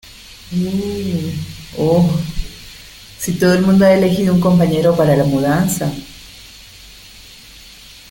¿ Uh, oh , sí todo el mundo ha elegido un compañero para la mudanza?